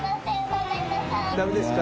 ダメですか。